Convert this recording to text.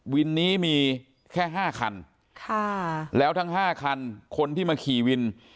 วินนี้มีแค่๕คันแล้วทั้ง๕คันคนที่มาขี่วิน